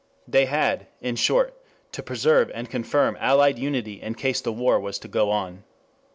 They had, in short, to preserve and confirm Allied unity in case the war was to go on.